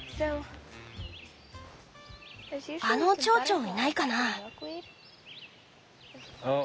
あのチョウチョウいないかなあ？